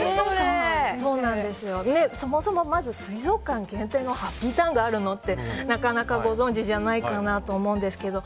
そもそも、まず水族館限定のハッピーターンがあるの？ってなかなかご存じじゃないかと思うんですけど。